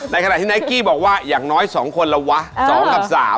ขณะที่ไนกี้บอกว่าอย่างน้อย๒คนละวะ๒กับ๓